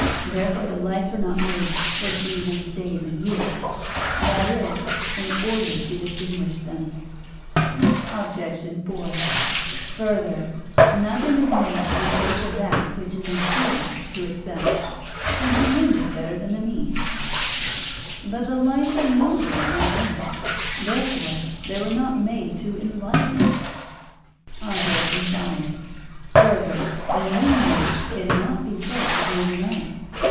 Therefore the lights were not made "for seasons, and days, and years," that is, in order to distinguish them. Obj. 4: Further, nothing is made for the sake of that which is inferior to itself, "since the end is better than the means" (Topic. iii). But the lights are nobler than the earth. Therefore they were not made "to enlighten it." Obj. 5: Further, the new moon cannot be said "to rule the night."